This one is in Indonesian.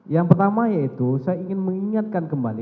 yang pertama yaitu saya ingin mengingatkan kembali